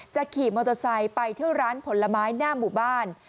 ขี่มอเตอร์ไซค์ไปเที่ยวร้านผลไม้หน้าหมู่บ้าน